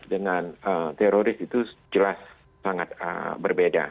dengan teroris itu jelas sangat berbeda